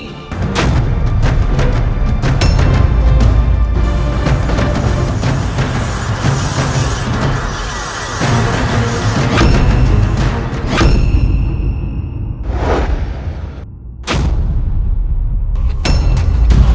serahkan si tuan tak masuk